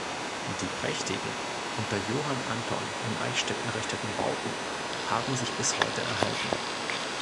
Die prächtigen unter Johann Anton in Eichstätt errichteten Bauten haben sich bis heute erhalten.